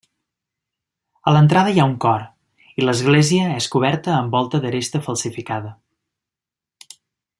A l'entrada hi ha un cor i l'església és coberta amb volta d'aresta falsificada.